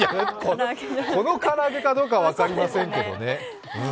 この唐揚げかどうかは分かりませんけどね。